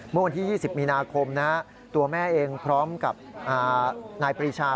เมื่อวันที่๒๐มีนาคมตัวแม่เองพร้อมกับนายปรีชา